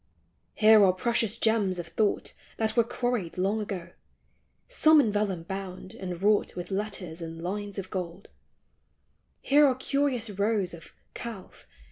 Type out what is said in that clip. Here are precious gems of thought That were* quarried long ago, Some in vellum bound, and wrought With letters and lines of gold ; Here are curious rows of " calf," THOUGHT: POETRY: HOOKS.